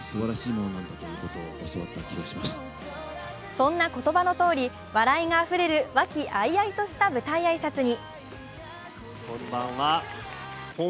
そんな言葉のとおり笑いがあふれる和気あいあいとした舞台挨拶に。